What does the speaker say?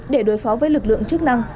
để đối phó với lực lượng chức năng